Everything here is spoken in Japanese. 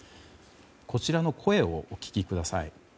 こちらの声をお聞きください。